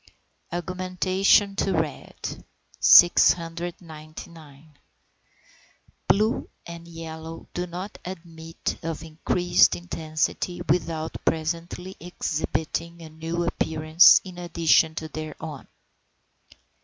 AUGMENTATION TO RED. 699. Blue and yellow do not admit of increased intensity without presently exhibiting a new appearance in addition to their own.